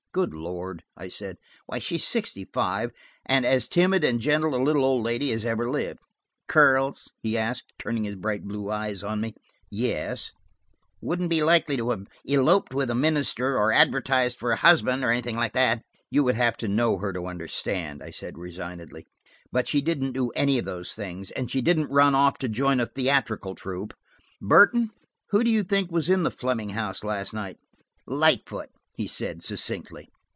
"Good Lord!" I said. "Why, she's sixty five, and as timid and gentle a little old lady as ever lived." "Curls?" he asked, turning his bright blue eyes on me. "Yes," I admitted "Wouldn't be likely to have eloped with the minister or advertised for a husband, or anything like that?" "You would have to know her to understand," I said resignedly. "But she didn't do any of those things, and she didn't run off to join a theatrical troupe. Burton, who do you think was in the Fleming house last night?" "Lightfoot," he said succinctly.